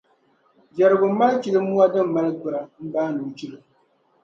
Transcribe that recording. Jɛrigu m-mali chilimua din mali gbura m-baani o chilo.